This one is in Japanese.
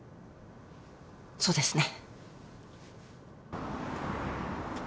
そうですね。